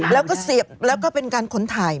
แล้วก็เสียบแล้วก็เป็นการขนถ่าย